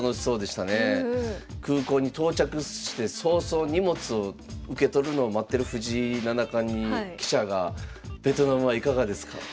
空港に到着して早々荷物を受け取るのを待ってる藤井七冠に記者が「ベトナムはいかがですか？」って聞いて。